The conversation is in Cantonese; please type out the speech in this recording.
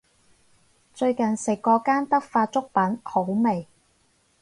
最近食過間德發粥品好味